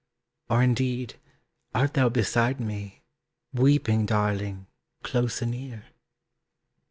Or indeed, art thou beside me, Weeping, darling, close anear?